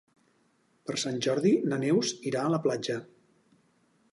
Per Sant Jordi na Neus irà a la platja.